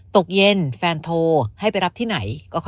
ตกเย็นแฟนโทรให้ไปรับที่ไหน